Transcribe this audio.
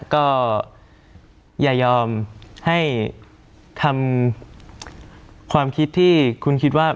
ก็อย่ายอมให้ทำความคิดที่คุณคิดว่า